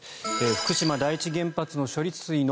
福島第一原発の処理水の